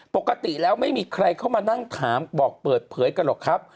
ปกติแล้วไม่มีใครเข้ามานั่งถามบอกเปิดเผยกันหรอกครับ